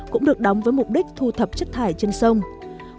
cũng được đóng với mục đích thu thập chất thải trên sông